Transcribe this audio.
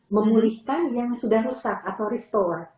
memulihkan yang sudah rusak atau restore